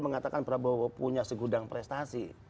mengatakan prabowo punya segudang prestasi